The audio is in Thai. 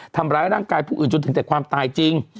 ทำร้ายร่างกายผู้อื่นจนถึงแต่ความตายจริง